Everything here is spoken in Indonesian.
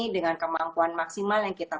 dengan kemampuan maksimal yang kita